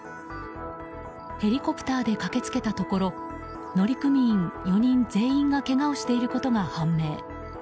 ヘリコプターで駆け付けたところ乗組員４人全員がけがをしていることが判明。